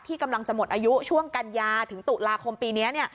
กำลังจะหมดอายุช่วงกันยาถึงตุลาคมปีนี้